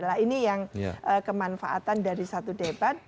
nah ini yang kemanfaatan dari satu debat